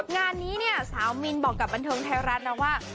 งานนี้เนี่ยสาวมินบอกกับบันเทิงไทยรัฐนะว่า